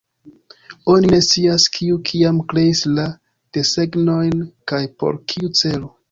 Oni ne scias, kiu kiam kreis la desegnojn kaj por kiu celo.